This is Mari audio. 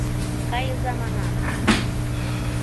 Кайыза, манам!..